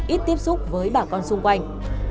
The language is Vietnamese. ít tiếp xúc với bà con xung quanh